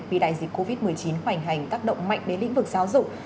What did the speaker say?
vì đại dịch covid một mươi chín khoảnh hành tác động mạnh đến lĩnh vực giáo dục